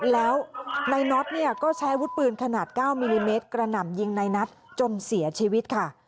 แล้วนายน็อตเนี่ยก็ใช้วุฒิปืนขนาด๙มิลลิเมตรกระหน่ำยิงในนัทจนเสียชีวิตค่ะ